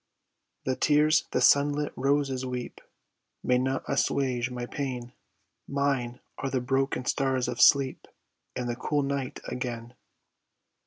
The tears the sunlit roses weep May not assuage my pain, Mine are the broken stars of sleep And the cool night again.